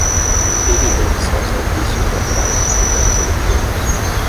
Intriga e corrupção são vícios naturais dos governos eletivos.